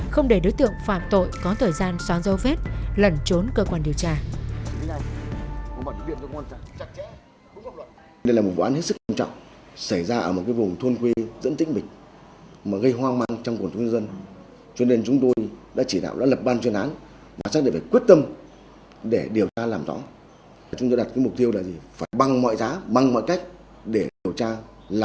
không để đối tượng phạm tội có thời gian xóa dấu vết lẩn trốn cơ quan điều tra